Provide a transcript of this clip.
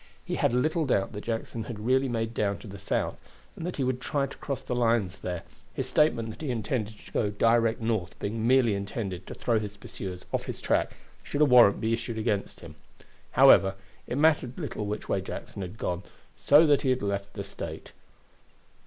He had little doubt that Jackson had really made down to the South, and that he would try to cross the lines there, his statement that he intended to go direct North being merely intended to throw his pursuers off his track should a warrant be issued against him. However, it mattered little which way Jackson had gone, so that he had left the State.